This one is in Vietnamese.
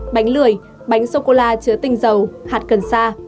bánh lười bánh sô cô la chứa tinh dầu hạt cần sa